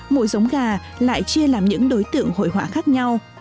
mỗi giống gà lại chia làm những đối tượng hội họa khác nhau